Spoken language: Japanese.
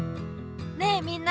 ねえみんな。